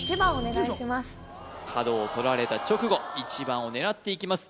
はい角をとられた直後１番を狙っていきます